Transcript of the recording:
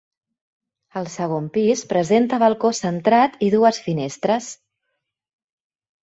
El segon pis presenta balcó centrat i dues finestres.